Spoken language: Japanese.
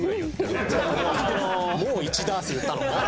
もう１ダース言ったのか？